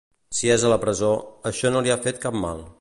Si és a la presó, això no li va fer cap mal.